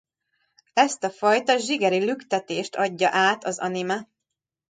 Ezt a fajta zsigeri lüktetést adja át az anime.